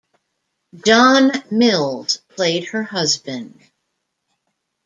John Mills played her husband.